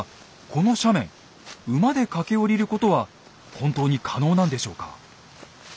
この斜面馬で駆け下りることは本当に可能なんでしょうか？